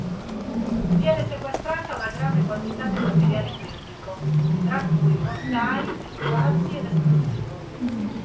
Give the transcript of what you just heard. Viene sequestrata una grande quantità di materiale bellico, tra cui mortai, razzi ed esplosivo.